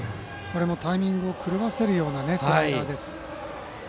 タイミングを狂わせるようなスライダーでした。